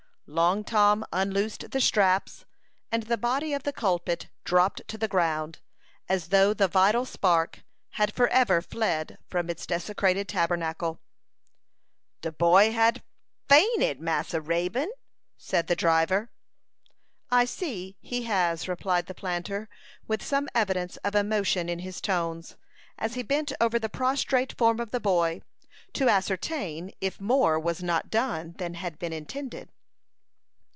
Long Tom unloosed the straps, and the body of the culprit dropped to the ground, as though the vital spark had for ever fled from its desecrated tabernacle. "De boy hab fainted, Massa Raybone," said the driver. "I see he has," replied the planter, with some evidence of emotion in his tones, as he bent over the prostrate form of the boy, to ascertain if more was not done than had been intended.